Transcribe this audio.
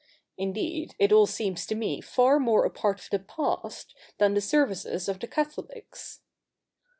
Indeed, it all seems to me far more a part of the past than the services of the Catholics.'